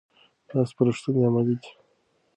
دا سپارښتنې عملي دي.